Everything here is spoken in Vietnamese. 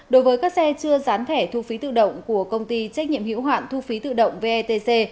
đối với các xe chưa gián thẻ thu phí tự động của công ty trách nhiệm hiệu hoạn thu phí tự động vetc